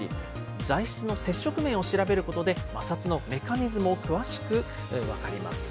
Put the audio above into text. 材質の接触面を調べることで、摩擦のメカニズムを詳しく分かります。